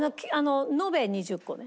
延べ２０個ね。